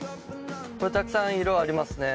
たくさん色ありますね。